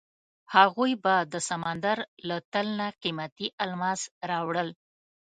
هغوی به د سمندر له تل نه قیمتي الماس راوړل.